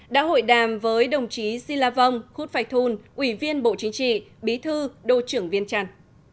đã hội đàm với đồng chí di la vong khuất phạch thun ủy viên bộ chính trị bí thư đô trưởng viên trăn